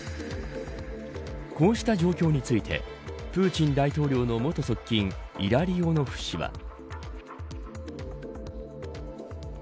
こうした状況についてプーチン大統領の元側近イラリオノフ氏は。